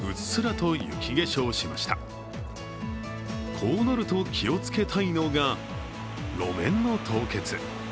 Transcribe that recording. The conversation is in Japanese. こうなると気をつけたいのが、路面の凍結。